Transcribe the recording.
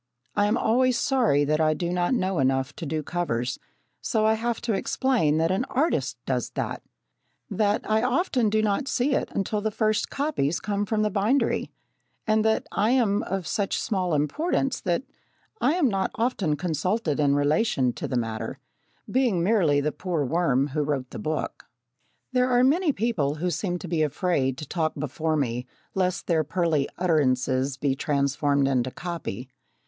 I am always sorry that I do not know enough to do covers, so I have to explain that an artist does that that I often do not see it until the first copies come from the bindery, and that I am of such small importance that I am not often consulted in relation to the matter being merely the poor worm who wrote the book. There are many people who seem to be afraid to talk before me lest their pearly utterances be transformed into copy.